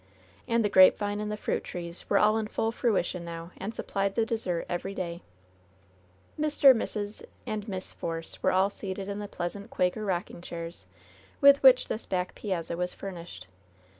And the grapevine and the fruit trees were all in full fruition now, and supplied the dessert every day, Mr., Mrs. and Miss Force were all seated in the pleas ant Quaker rocking chairs with which this back piazza was furnished.